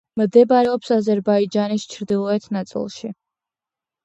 მდებარეობს აზერბაიჯანის ჩრდილოეთ ნაწილში.